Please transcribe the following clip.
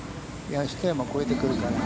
一山越えてくるから。